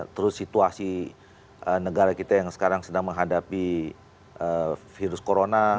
terus situasi negara kita yang sekarang sedang menghadapi virus corona